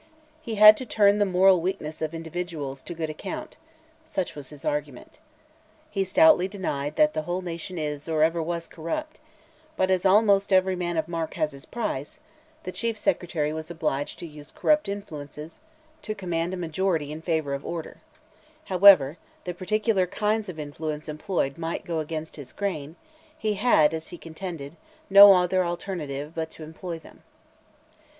He had "to turn the moral weakness of individuals to good account," such was his argument. He stoutly denied that "the whole nation is, or ever was corrupt;" but as "almost every man of mark has his price," the Chief Secretary was obliged to use corrupt influences "to command a majority in favour of order;" however the particular kinds of influence employed might go against his grain, he had, as he contended, no other alternative but to employ them.